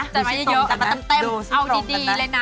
ไต้ต่ำเอาดีเลยนะ